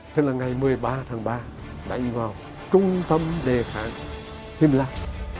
thế là ngày một mươi ba tháng ba đánh vào trung tâm đề kháng him lam